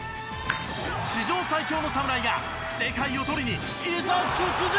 史上最強の侍が世界をとりにいざ出陣！